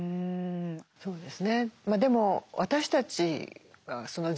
そうですね。